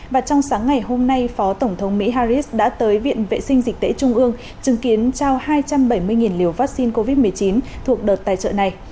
và trong sáng ngày hôm nay phó tổng thống mỹ harris đã tới viện vệ sinh dịch tễ trung ương chứng kiến trao hai trăm bảy mươi liều vaccine covid một mươi chín thuộc đợt tài trợ này